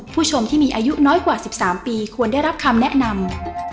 ผู้ชมที่มีอายุน้อยกว่า๑๓ปีควรได้รับคำแนะนำ